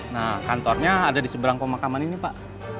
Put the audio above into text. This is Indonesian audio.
nah kantornya ada di seberang pemakaman ini pak